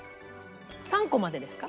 ３個までですか？